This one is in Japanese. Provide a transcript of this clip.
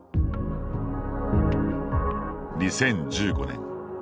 ２０１５年。